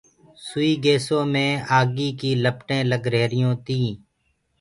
سئي گيسو مي آگيٚ ڪيٚ لپٽينٚ لگ رهيريونٚ تي۔